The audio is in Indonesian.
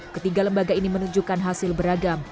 ketiga lembaga ini menunjukkan hasil beragam